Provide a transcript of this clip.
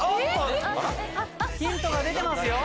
ヒントが出てますよ？